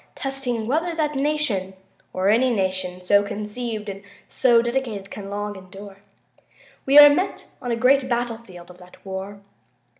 . .testing whether that nation, or any nation so conceived and so dedicated. .. can long endure. We are met on a great battlefield of that war.